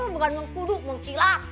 bukan mengkudu mengkilat